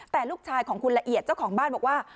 แต่ลูกชายของคุณละเอียดเจ้าของบ้านบอกว่า